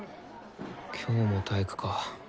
今日も体育かぁ。